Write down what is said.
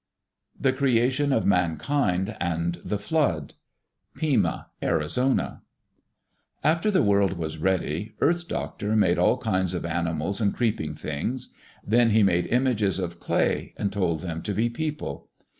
The Creation of Man Kind and the Flood Pima (Arizona) After the world was ready, Earth Doctor made all kinds of animals and creeping things. Then he made images of clay, and told them to be people.